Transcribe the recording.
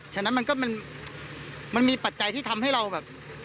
ฉะนั้นมันก็มันมีปัจจัยที่ทำให้เราแบบ